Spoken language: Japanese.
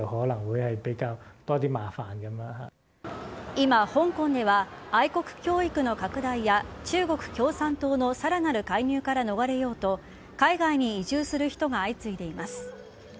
今、香港では愛国教育の拡大や中国共産党のさらなる介入から逃れようと海外に移住する人が相次いでいます。